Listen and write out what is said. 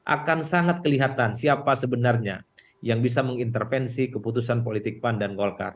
akan sangat kelihatan siapa sebenarnya yang bisa mengintervensi keputusan politik pan dan golkar